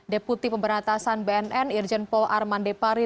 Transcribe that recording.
deputi pemberantasan bnn irjen paul armande pari